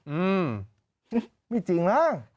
อืมไม่จริงนะ